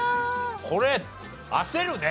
これ焦るね！